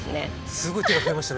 すごい手が増えましたね。